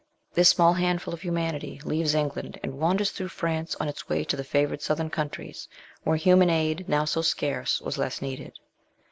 This small handful of humanity leaves England, and wanders through France on its way to" the favoured southern countries where human aid, now so scarce, was less needed.